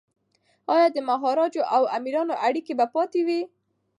ایا د مهاراجا او امیرانو اړیکي به پاتې وي؟